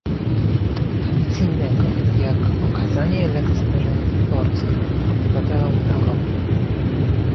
To nic innego, jak okazanie lekceważenia wyborcom, obywatelom Europy